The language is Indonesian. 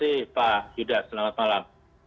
terima kasih pak yuda selamat malam